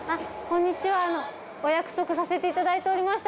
すみませんお約束させていただいておりました。